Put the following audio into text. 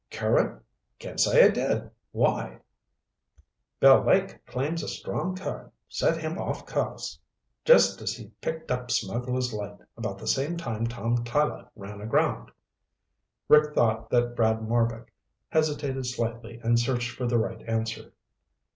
"Current? Can't say I did. Why?" "Bill Lake claims a strong current set him off course just as he picked up Smugglers' Light, about the time Tom Tyler ran aground." Rick thought that Brad Marbek hesitated slightly and searched for the right answer.